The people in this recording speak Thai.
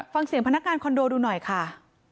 ฟังเสียงพนักงานคอนโดดูหน่อยค่ะ